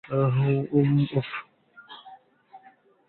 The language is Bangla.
উম, উফ।